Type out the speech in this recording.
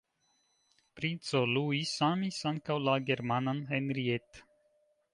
Princo Luis amis ankaŭ la germanan Henriette.